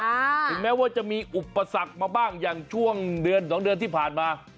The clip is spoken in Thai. ถึงแม้ว่าจะมีอุปสรรคมาบ้างอย่างช่วงเดือน๒เดือนที่ผ่านมา